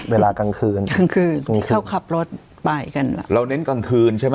กลางคืนกลางคืนเขาขับรถไปกันล่ะเราเน้นกลางคืนใช่ไหม